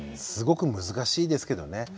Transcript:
すごく難しいですけどね。